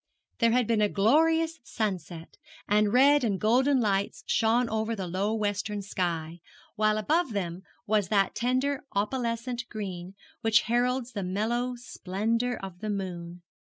There had been a glorious sunset, and red and golden lights shone over the low western sky, while above them was that tender opalescent green which heralds the mellow splendour of the moon.